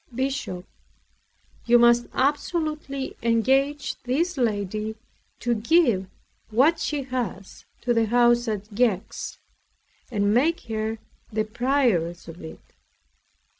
BISHOP You must absolutely engage this lady to give what she has to the house at Gex, and make her the prioress of it.